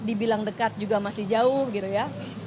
dibilang dekat juga masih jauh gitu ya